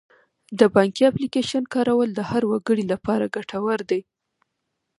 د بانکي اپلیکیشن کارول د هر وګړي لپاره ګټور دي.